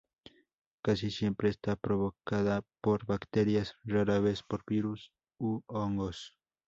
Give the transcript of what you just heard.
Casi siempre está provocada por bacterias, rara vez por virus u hongos.